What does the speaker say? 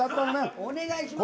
お願いしますよ。